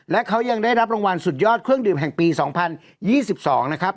และเขายังได้รับรางวัลสุดยอดเครื่องดื่มแห่งปี๒๐๒๒นะครับ